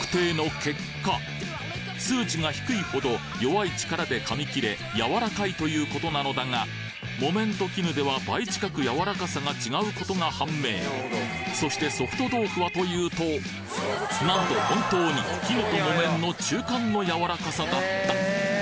数値が低いほど弱い力で噛み切れ「やわらかい」という事なのだが「木綿」と「絹」では倍近くやわらかさが違うことが判明そして「ソフト豆腐」はというとなんと本当に「絹」と「木綿」の中間のやわらかさだった！